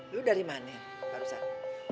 lu dari mana barusan